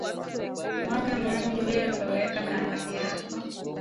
mwaga maji uliyolowekea maharage yako